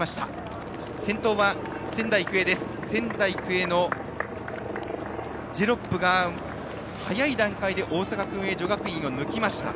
先頭は仙台育英のジェロップが早い段階で大阪薫英女学院を抜きました。